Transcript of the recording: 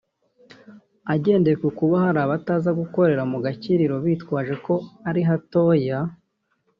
Agendeye ku kuba hari abataza gukorera mu gakiriro bitwaje ko ari hatoya